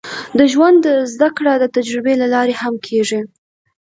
د ژوند زده کړه د تجربې له لارې هم کېږي.